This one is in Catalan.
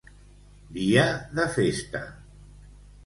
Dia de festa.